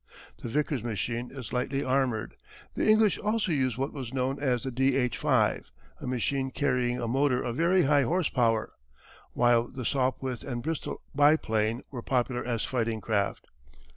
The Vickers machine is lightly armoured. The English also use what was known as the "D. H. 5," a machine carrying a motor of very high horse power, while the Sopwith and Bristol biplane were popular as fighting craft.